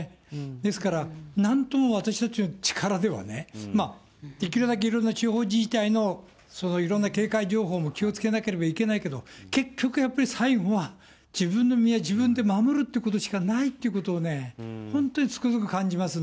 ですから、なんとも私たちの力ではね、できるだけいろんな地方自治体のいろんな警戒情報も気をつけなければいけないけれども、結局最後は、自分の身は自分で守るということしかないということをね、本当、